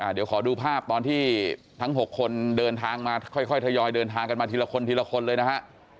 เดี๋ยวขอดูภาพตอนที่ทั้ง๖คนเดินทางมาค่อยทยอยเดินทางกันมาทีละคนทีละคนเลยนะฮะ